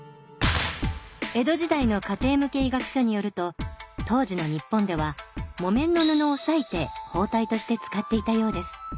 江戸時代の家庭向け医学書によると当時の日本では木綿の布を裂いて包帯として使っていたようです。